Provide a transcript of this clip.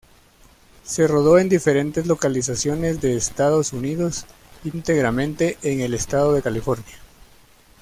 Se rodó en diferentes localizaciones de Estados Unidos, íntegramente en el estado de California.